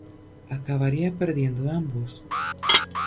Acabaría perdiendo ambos.